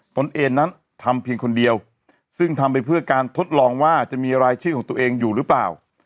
ตนเองนั้นทำเพียงคนเดียวซึ่งทำไปเพื่อการทดลองว่าจะมีรายชื่อของตัวเองอยู่หรือเปล่า